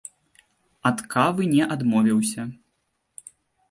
Ад кавы не адмовіўся.